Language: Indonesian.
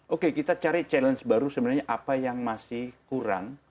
oke kita cari challenge baru sebenarnya apa yang masih kurang